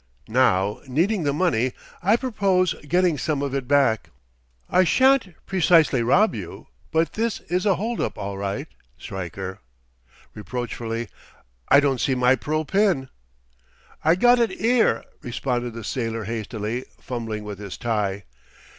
Now, needing the money, I purpose getting some of it back. I shan't precisely rob you, but this is a hold up, all right.... Stryker," reproachfully, "I don't see my pearl pin." "I got it 'ere," responded the sailor hastily, fumbling with his tie.